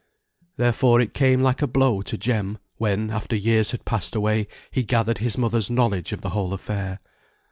Therefore it came like a blow to Jem when, after years had passed away, he gathered his mother's knowledge of the whole affair.